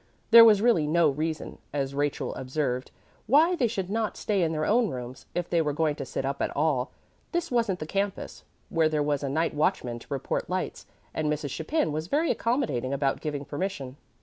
There was really no reason, as Rachel observed, why they should not stay in their own rooms, if they were going to sit up at all. This wasn't the campus, where there was a night watchman to report lights, and Mrs. Chapin was very accommodating about giving permission.